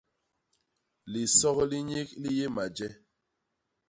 Lisok li nyik li yé maje!